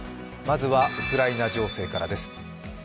まずはウクライナ情勢からです。